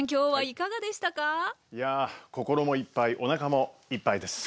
いや心もいっぱいおなかもいっぱいです。